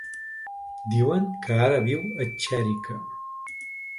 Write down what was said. Diuen que ara viu a Xèrica.